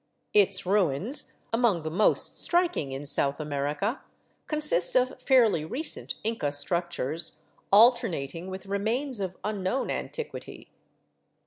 Its ruins, among the most striking in South America, consist of fairly recent Inca struc tures alternating with remains of unknown antiquity.